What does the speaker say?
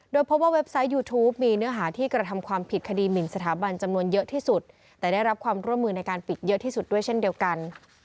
โดยพบว่าเว็บไซต์ยูทูปมีเนื้อหาที่กระทำความผิดคดีหมินสถาบันจำนวนเยอะที่สุดแต่ได้รับความร่วมมือในการปิดเยอะที่สุดด้วยเช่นเดียวกัน